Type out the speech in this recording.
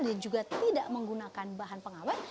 dan juga tidak menggunakan bahan pengawet